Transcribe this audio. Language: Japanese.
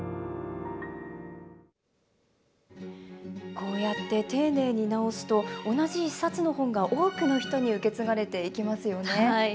こうやって丁寧に直すと同じ一冊の本が多くの人に受け継がれていきますよね。